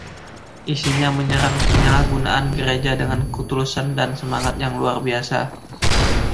Isinya menyerang penyalahgunaan Gereja dengan ketulusan dan semangat yang luar biasa.